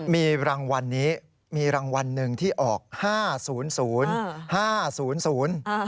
มีรางวัลนี้มีรางวัลหนึ่งที่ออกห้าศูนย์ศูนย์ห้าศูนย์ศูนย์